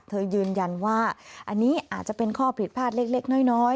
ยืนยันว่าอันนี้อาจจะเป็นข้อผิดพลาดเล็กน้อย